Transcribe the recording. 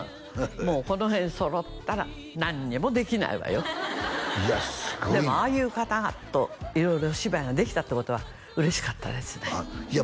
もうこの辺揃ったら何にもできないわよいやすごいでもああいう方と色々お芝居ができたってことは嬉しかったですねいや